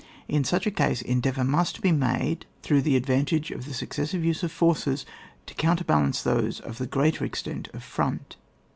In such a case, endeavour must be made, through the advantage of the successive use of forces, to counterbckl ance those of the gpreater extent of front.